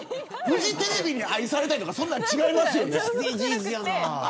フジテレビに愛されたいとかそんなん違いますよね。